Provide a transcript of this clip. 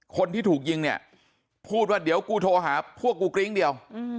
คนที่ถูกยิงเนี่ยพูดว่าเดี๋ยวกูโทรหาพวกกูกริ้งเดียว